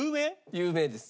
有名です。